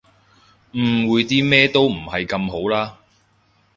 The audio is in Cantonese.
誤會啲咩都唔係咁好啦